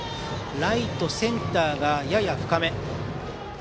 ライト、センターがやや深め。